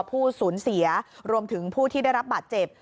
ผู้สูญเสียรวมถึงผู้ที่ได้รับบาดเจ็บ